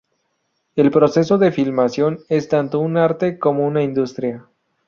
El proceso de filmación es tanto un arte como una industria.